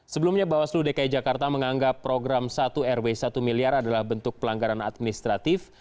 sebelumnya bawaslu dki jakarta menganggap program satu rw satu miliar adalah bentuk pelanggaran administratif